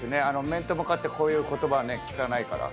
面と向かってこういう言葉ね聞かないから。